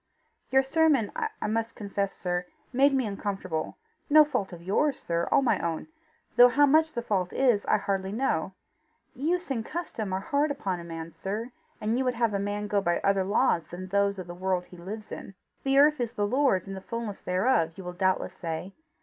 "Your sermon, I must confess, sir, made me uncomfortable no fault of yours, sir all my own though how much the fault is, I hardly know: use and custom are hard upon a man, sir, and you would have a man go by other laws than those of the world he lives in. The earth is the Lord's and the fulness thereof you will doubtless say.